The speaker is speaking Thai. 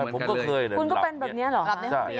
คุณก็เป็นแบบนี้เหรอฮะ